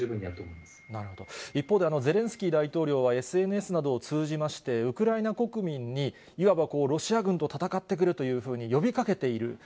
なるほど、一方でゼレンスキー大統領はＳＮＳなどを通じまして、ウクライナ国民に、いわば、ロシア軍と戦ってくれというふうに呼びかけている。